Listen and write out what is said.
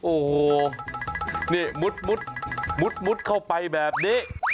โอ้โหนี่มุดมุดเข้าไปแบบนี้